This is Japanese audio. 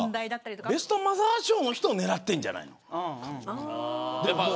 ベストマザー賞の人を狙っているんじゃない。